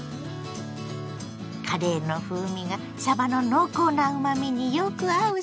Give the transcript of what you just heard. カレーの風味がさばの濃厚なうまみによく合うソテー。